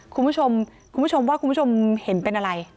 คุณผู้ชมคุณผู้ชมว่าคุณผู้ชมเห็นเป็นอะไร